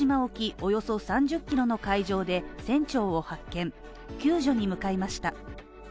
およそ３０キロの海上で、船長を発見、救助に向かいました。